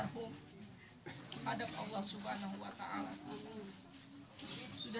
terutama kepada anak yang terlalu panggil oleh allah swt